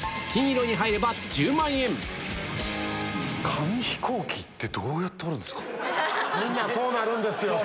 自分で折ったみんなそうなるんですよ。